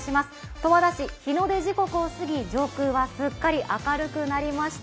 十和田市、日の出時刻を過ぎ上空はすっかり明るくなりました。